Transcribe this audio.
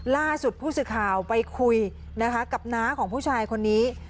ล่าสุดผู้สื่อข่าวไปคุยนะคะกับน้าของผู้ชายคนนี้